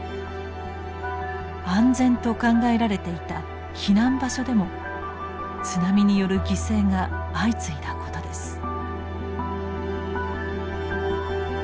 安全と考えられていた避難場所でも津波による犠牲が相次いだことです。